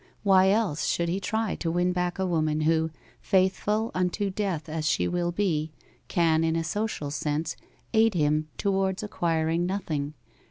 Why else should he try to win back a woman who, faithful unto death as she will be, can, in a social sense, aid him towards acquiring nothing?